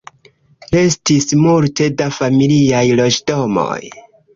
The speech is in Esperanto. Restis multe da familiaj loĝdomoj.